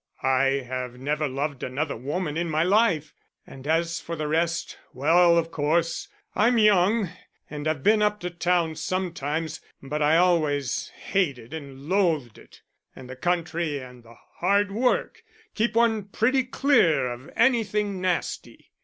"I have never loved another woman in my life, and as for the rest well, of course, I'm young and I've been up to town sometimes; but I always hated and loathed it. And the country and the hard work keep one pretty clear of anything nasty."